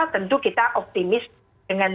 tentu kita optimis dengan